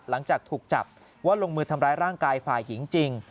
หลังจากถูกจับว่าลงมือทำร้ายร่างกายฝ่ายหญิงจริง